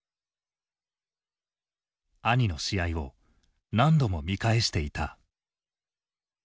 兄の試合を何度も見返していた。